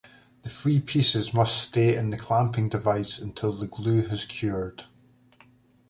The three pieces must stay in the clamping device until the glue has cured.